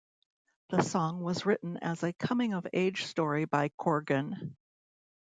The song was written as a coming of age story by Corgan.